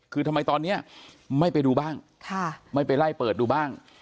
คือทำไมตอนนี้ไม่ไปดูบ้างไม่ไปไล่เปิดดูบ้าง